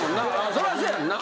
そりゃそやんな。